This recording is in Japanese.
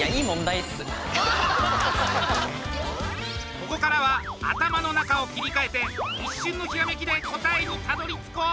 ここからは頭の中を切り替えて一瞬のひらめきで答えにたどり着こう。